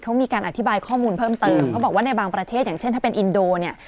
เขามีการอธิบายข้อมูลเพิ่มเติมเขาบอกว่าในบางประเทศอย่างเช่นถ้าเป็นอินโดเนี่ย